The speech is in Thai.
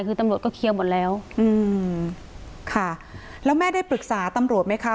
คือตำรวจก็เคลียร์หมดแล้วอืมค่ะแล้วแม่ได้ปรึกษาตำรวจไหมคะ